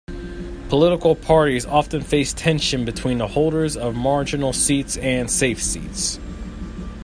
Political parties often face tension between the holders of marginal seats and safe seats.